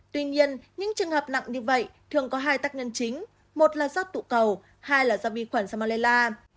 tuy nhiên những trường hợp nặng như vậy thường có hai tác nhân chính một là do tụ cầu hai là do vi khuẩn salmella